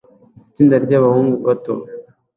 Itsinda ryabahungu bato